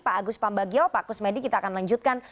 pak agus pambagio pak kusmedi kita akan lanjutkan